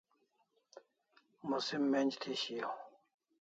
Musim men'j thi shiau